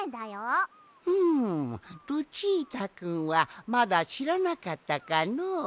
うむルチータくんはまだしらなかったかのう。